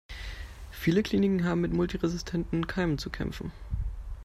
Viele Kliniken haben mit multiresistenten Keimen zu kämpfen.